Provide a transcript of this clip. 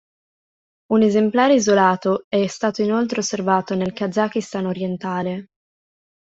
Un esemplare isolato è stato inoltre osservato nel Kazakistan orientale.